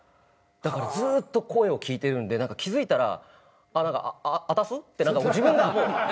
だからずっと声を聞いてるんで気付いたら「あたす？」って自分がもう。